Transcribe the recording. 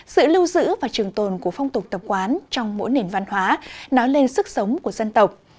sự lưu giữ và trường tồn của phong tục tập quán trong mỗi nền văn hóa nói lên sức sống của dân tộc